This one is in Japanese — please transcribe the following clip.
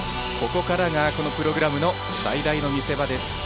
ここからがこのプログラム最大の見せ場です。